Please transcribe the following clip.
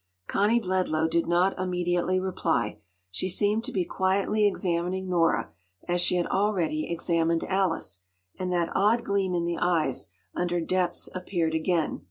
Connie Bledlow did not immediately reply. She seemed to be quietly examining Nora, as she had already examined Alice, and that odd gleam in the eyes under depths appeared again.